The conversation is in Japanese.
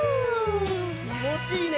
きもちいいね。